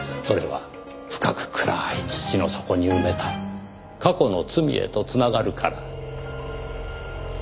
それは深く暗い土の底に埋めた過去の罪へとつながるから。